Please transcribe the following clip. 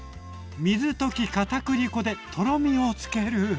水溶きかたくり粉でとろみをつける。